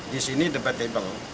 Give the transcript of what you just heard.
di sini debatable